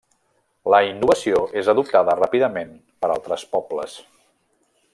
La innovació és adoptada ràpidament per altres pobles.